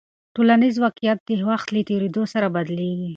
ټولنیز واقیعت د وخت له تېرېدو سره بدلېږي.